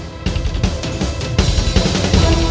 aduh kayak gitu